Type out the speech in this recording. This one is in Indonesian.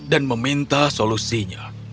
dan meminta solusinya